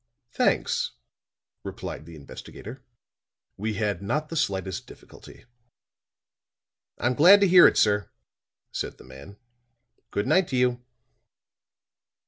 "Thanks," replied the investigator. "We had not the slightest difficulty." "I'm glad to hear it, sir," said the man. "Good night to you."